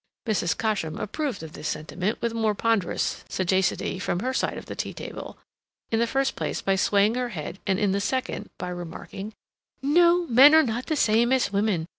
Mrs. Cosham approved of this sentiment with more ponderous sagacity from her side of the tea table, in the first place by swaying her head, and in the second by remarking: "No, men are not the same as women.